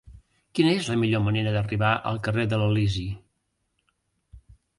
Quina és la millor manera d'arribar al carrer de l'Elisi?